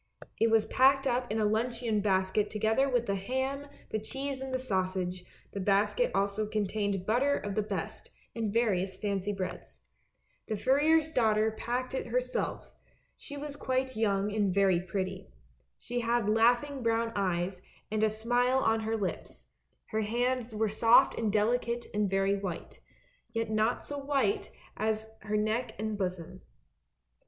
It was packed up in the luncheon basket together with the ham, the cheese and the sausage ; the basket also contained butter of the best, and various fancy breads. The furrier's daughter packed it herself, she was quite young and very pretty. She had laugh ing brown eyes, and a smile on her lips; her hands were soft and delicate and very white, yet not so white as her neck and bosom.